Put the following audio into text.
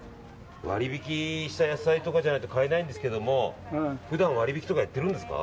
割引した野菜とかじゃないと買えないんですけども普段、割引とかやってるんですか。